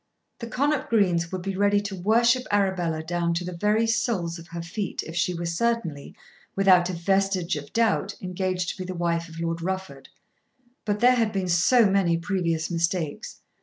The Connop Greens would be ready to worship Arabella down to the very soles of her feet if she were certainly, without a vestige of doubt, engaged to be the wife of Lord Rufford. But there had been so many previous mistakes!